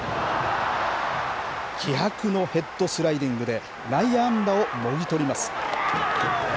気迫のヘッドスライディングで内野安打をもぎ取ります。